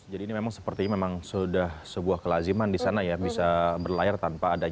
jadi ini memang seperti memang sudah sebuah kelaziman di sana ya bisa berlayar tanpa alasan